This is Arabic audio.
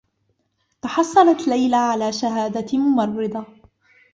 تحصّلت ليلى على شهادة ممرّضة.